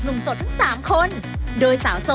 กลับไปก่อนเลยนะครับ